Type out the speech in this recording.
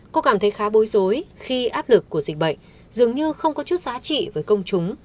cô cảm thấy khá bối rối khi áp lực của dịch bệnh dường như không có chút giá trị với công chúng